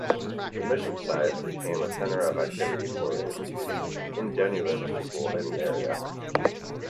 The mission site became a center of activity for indigenous people in the area.